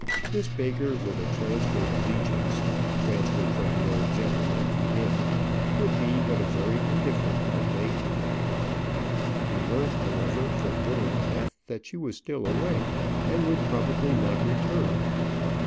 Miss Baker with a transferred allegiance transferred from the old gentleman to him would be but a very indifferent helpmate. He learnt, however, from Littlebath that she was still away, and would probably not return.